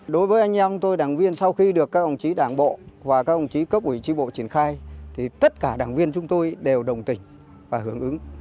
đối với anh em tôi đảng viên sau khi được các ông chí đảng bộ và các ông chí cấp ủy tri bộ triển khai thì tất cả đảng viên chúng tôi đều đồng tình và hưởng ứng